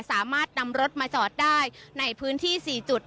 สามารถนำรถมาจอดได้ในพื้นที่๔จุด